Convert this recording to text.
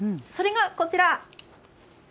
それがこちら。